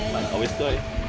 marah wis doi